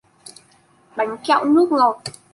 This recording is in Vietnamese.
Bánh kẹo nước ngọt